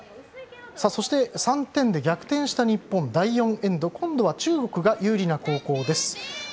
そして３点で逆転した日本第４エンド今度は中国が有利な後攻です。